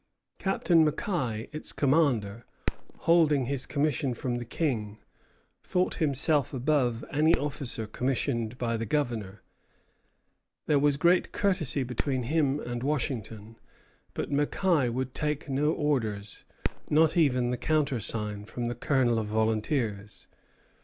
Captain Mackay, its commander, holding his commission from the King, thought himself above any officer commissioned by the Governor. There was great courtesy between him and Washington; but Mackay would take no orders, nor even the countersign, from the colonel of volunteers.